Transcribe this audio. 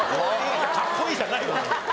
いや「かっこいい」じゃないわ！